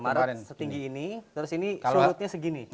maret setinggi ini terus ini surutnya segini